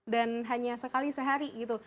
dan hanya sekali sehari gitu